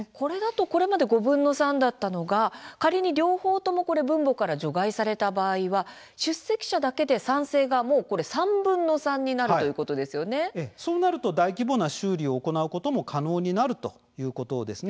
これまで５分の３だったのが仮に両方とも分母から除外された場合は出席者だけで賛成が３分の３にそうなると大規模な修理を行うことが可能になるということです。